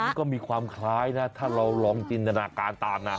มันก็มีความคล้ายนะถ้าเราลองจินตนาการตามนะ